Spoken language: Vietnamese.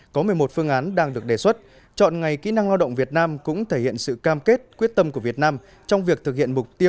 có một mươi một phương án đang được đề xuất